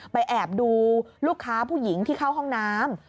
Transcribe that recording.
แอบดูลูกค้าผู้หญิงที่เข้าห้องน้ำ